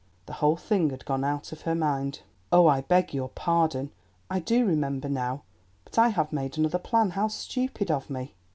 The whole thing had gone out of her mind. "Oh, I beg your pardon! I do remember now, but I have made another plan—how stupid of me!"